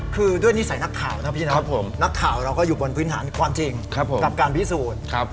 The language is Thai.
คือด้วยนิสัยนักข่าวนะพี่นะนักข่าวเราก็อยู่บนพื้นฐานความจริงกับการพิสูจน์